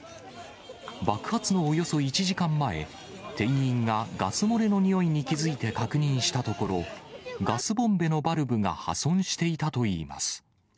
爆発のおよそ１時間前、店員がガス漏れの臭いに気付いて確認したところ、ガスボンベのバルブが破損していたといいます。